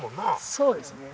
そうですね。